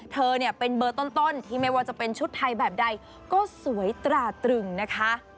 เธอเนี่ยเป็นเบอร์ต้นที่ไม่ว่าจะเป็นชุดไทยแบบใดก็สวยตราตรึงนะคะ